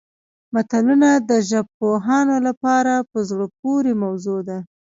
متلونه د ژبپوهانو لپاره په زړه پورې موضوع ده